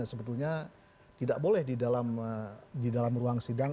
sebetulnya tidak boleh di dalam ruang sidang